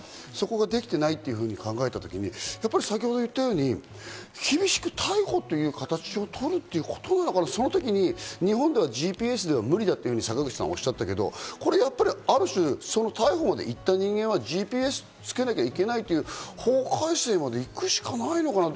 そこができてないと考えた時、やはり先程、言ったように厳しく逮捕という形をとるということ、その時に日本ではＧＰＳは無理だと坂口さん、おっしゃったけど、これ、ある種、逮捕まで行った人間はＧＰＳを付けなきゃいけないという、法改正まで行くしかないのかな？